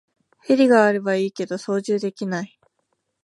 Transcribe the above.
ヘリがあればいいけど操縦できない